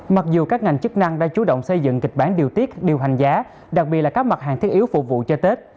mặc dù các ngành chức năng đã chú động xây dựng kịch bản điều tiết điều hành giá đặc biệt là các mặt hàng thiết yếu phục vụ cho tết